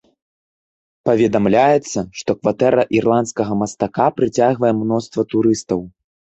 Паведамляецца, што кватэра ірландскага мастака прыцягвае мноства турыстаў.